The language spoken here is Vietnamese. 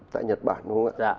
tại nhật bản đúng không ạ